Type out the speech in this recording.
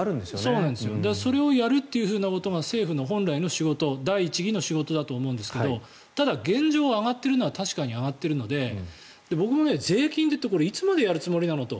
それをやるということが政府の本来の仕事第一義の仕事だと思うんですがただ、現状、上がっているのは確かに上がっているので僕も税金でっていつまでやるつもりなのって。